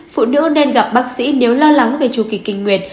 phụ nữ nên gặp bác sĩ nếu lo lắng về chu kỳ kinh nguyệt